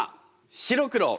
白黒。